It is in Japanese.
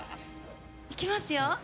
いきますよ。